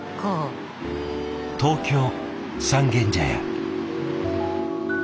東京・三軒茶屋。